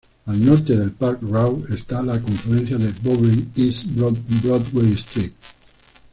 Al norte de Park Row está la confluencia de Bowery, East Broadway, St.